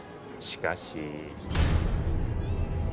しかし？